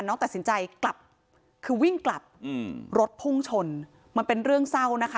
ตัดสินใจกลับคือวิ่งกลับอืมรถพุ่งชนมันเป็นเรื่องเศร้านะคะ